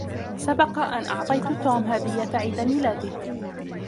سبق أن أعطيت توم هدية عيد ميلاده.